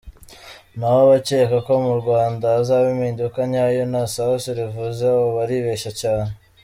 Naho abakeka ko mu Rwanda hazaba impinduka nyayo nta sasu rivuze, abo baribeshya cyane.